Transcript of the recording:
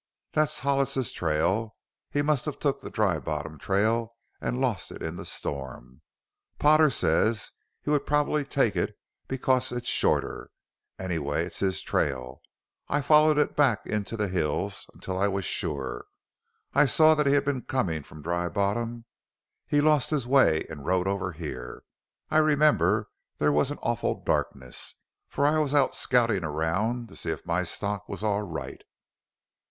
"That's Hollis's trail. He must have took the Dry Bottom trail an' lost it in the storm. Potter says he would probably take it because it's shorter. Anyways, it's his trail; I followed it back into the hills until I was sure. I saw that he had been comin' from Dry Bottom. He lost his way an' rode over here. I remember there was an awful darkness, for I was out scoutin' around to see if my stock was all right.